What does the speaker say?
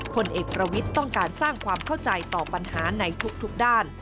ผลเอกประวิทย์ต้องการสร้างความเข้าใจต่อปัญหาในทุกด้าน